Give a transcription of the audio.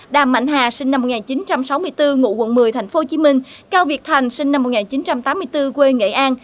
đàm mạnh hà sinh năm một nghìn chín trăm sáu mươi bốn ngụ quận một mươi tp hcm cao việt thành sinh năm một nghìn chín trăm tám mươi bốn quê nghệ an